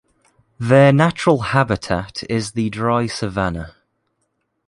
Their natural habitat is the dry Savannah.